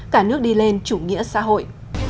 cả nước đi lên chủ nghĩa xã hội